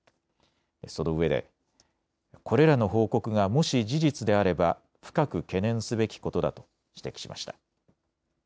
そのうえでこれらの報告がもし事実であれば深く懸念すべきことだと指摘しました。